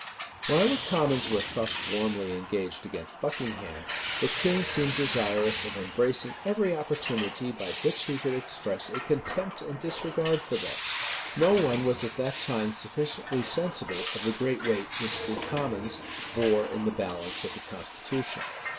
[*] While the commons were thus warmly engaged against Buckingham, the king seemed desirous of embracing every opportunity by which he could express a contempt and disregard for them. No one was at that time sufficiently sensible of the great weight which the commons bore in the balance of the constitution.